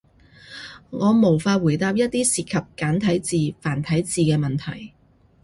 我無法回答一啲涉及簡體字、繁體字嘅提問